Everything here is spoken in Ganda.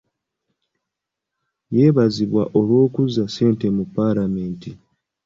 Yeebazibwa olw'okuzza ssente mu paalamenti.